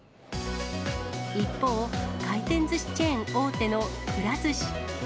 一方、回転ずしチェーン大手のくら寿司。